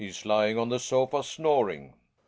He's lying on the sofa, snoring. GiNA.